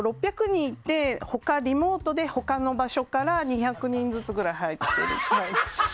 ６００人いてリモートで他の場所から２００人ずつぐらい入っていて。